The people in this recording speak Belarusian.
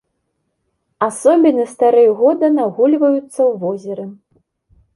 Асобіны старэй года нагульваюцца ў возеры.